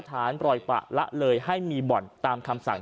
ฐานปล่อยปะละเลยให้มีบ่อนตามคำสั่ง